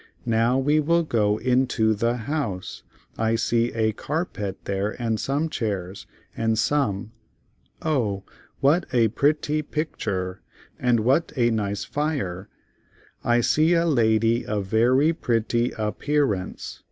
Now we will go in to the house; I see a car pet there and some chairs and some—O what a pret ty pic ture, and what a nice fire. I see a la dy of ver y pret ty ap pear ance.